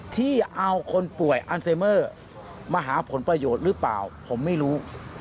ที่เอาคนป่วยอันเซเมอร์มาหาผลประโยชน์หรือเปล่าผมไม่รู้